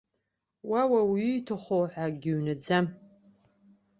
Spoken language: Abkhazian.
Уа уаҩы ииҭаху ҳәа акгьы ҩнаӡам.